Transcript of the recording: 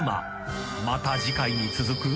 ［また次回に続く］